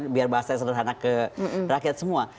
biar bahasanya sederhana ke rakyat semua